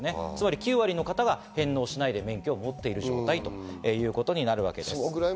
９割の方が返納しないで免許を持っている状態ということになるわけです。